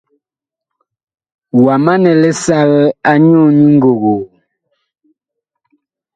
Wa manɛ lisal anyuu nyi ngogoo ?